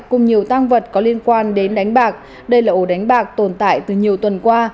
cùng nhiều tăng vật có liên quan đến đánh bạc đây là ổ đánh bạc tồn tại từ nhiều tuần qua